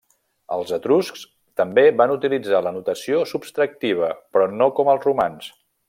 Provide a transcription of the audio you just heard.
Els etruscs també van utilitzar la notació subtractiva, però no com els romans.